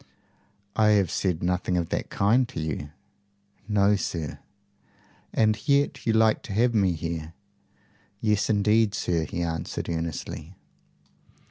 "I have said nothing of that kind to you." "No, sir." "And yet you like to have me here?" "Yes, indeed, sir," he answered, earnestly.